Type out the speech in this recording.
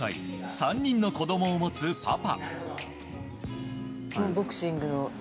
３人の子供を持つパパ。